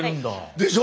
でしょ！